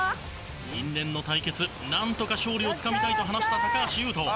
因縁の対決なんとか勝利をつかみたいと話した橋優斗。